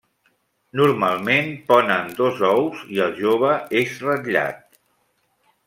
Normalment ponen dos ous, i el jove és ratllat.